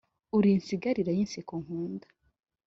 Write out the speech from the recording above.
uri insigarira y’inseko nkunda